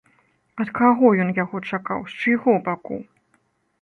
Ад каго ён яго чакаў, з чыйго баку?